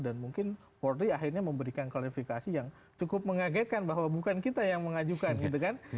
dan mungkin porri akhirnya memberikan kualifikasi yang cukup mengagetkan bahwa bukan kita yang mengajukan gitu kan